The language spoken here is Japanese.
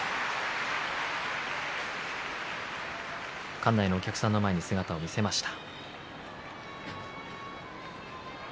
館内のお客さんの前に姿を見せました。